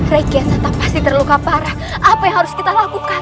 freques tetap pasti terluka parah apa yang harus kita lakukan